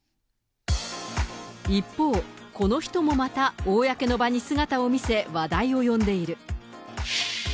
一方、この人もまた公の場に姿を見せ、話題を呼んでいる。